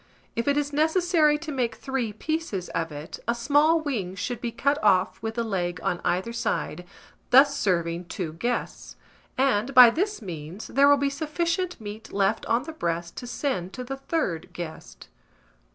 If it is necessary to make three pieces of it, a small wing should be cut off with the leg on either side, thus serving two guests; and, by this means, there will be sufficient meat left on the breast to send to the third guest.